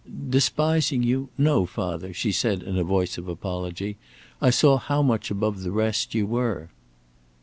"Despising you? No, father," she said, in a voice of apology. "I saw how much above the rest you were."